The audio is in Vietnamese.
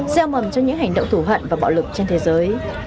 gieo mầm cho những hành động thủ hận và bạo lực trên thế giới